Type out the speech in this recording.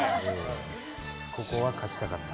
ここは勝ちたかった。